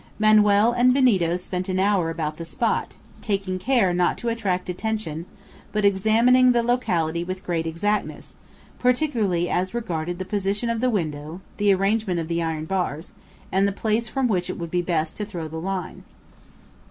Manoel and Benito spent an hour about the spot, taking care not to attract attention, but examining the locality with great exactness, particularly as regarded the position of the window, the arrangement of the iron bars, and the place from which it would be best to throw the line.